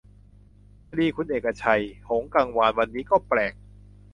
คดีคุณเอกชัย หงส์กังวาน วันนี้ ก็แปลก